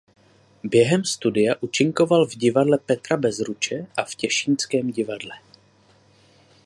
Během studia účinkoval v Divadle Petra Bezruče a v Těšínském divadle.